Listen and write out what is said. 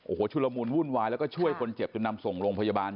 โอ้โหชุลมูลวุ่นวายแล้วก็ช่วยคนเจ็บจนนำส่งโรงพยาบาล